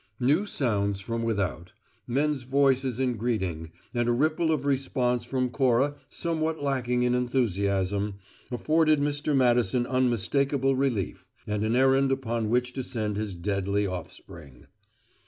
New sounds from without men's voices in greeting, and a ripple of response from Cora somewhat lacking in enthusiasm afforded Mr. Madison unmistakable relief, and an errand upon which to send his deadly offspring.